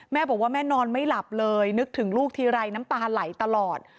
แม่บอกว่าแม่นอนไม่หลับเลยนึกถึงลูกทีไรน้ำตาไหลตลอด